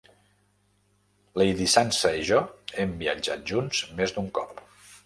Lady Sansa i jo hem viatjat junts més d'un cop.